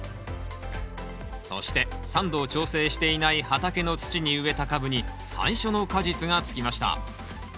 そして酸度を調整していない畑の土に植えた株に最初の果実がつきました。